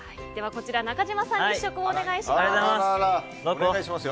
こちら、中島さんに試食をお願いします。